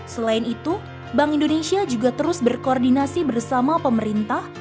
selain itu bank indonesia juga terus berkoordinasi bersama pemerintah